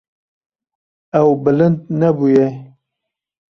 Ew bilind nebûye.